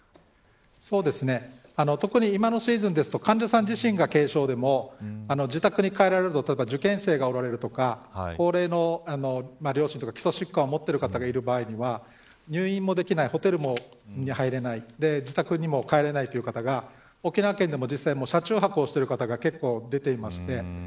そうですね、特に今のシーズンですと、患者さん自身が軽症でも自宅に帰られると例えば受験生がおられるとか高齢の両親や基礎疾患を持っている方がいる場合は入院もできないホテルにも入れない自宅にも帰れないという方が沖縄県でも実際、車中泊をしている方が出ています。